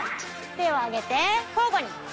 手を上げて交互に。